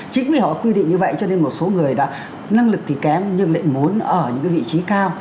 chính vì họ quy định như vậy cho nên một số người đã năng lực thì kém nhưng lại muốn ở những vị trí cao